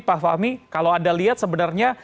pak fahmi kalau anda lihat sebenarnya